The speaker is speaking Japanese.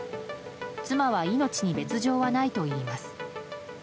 妻は命に別条はないということです。